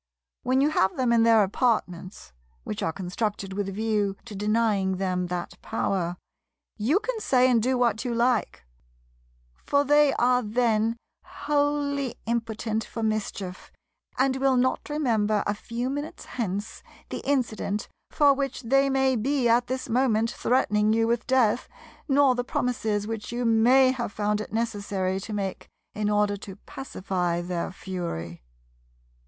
When you have them in their apartments—which are constructed with a view to denying them that power—you can say and do what you like; for they are then wholly impotent for mischief, and will not remember a few minutes hence the incident for which they may be at this moment threatening you with death, nor the promises which you may have found it necessary to make in order to pacify their fury.